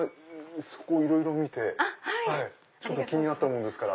そこいろいろ見て気になったもんですから。